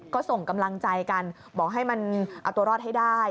ก็ส่งกำลังใจกันบอกให้มันเอาตัวรอดให้ได้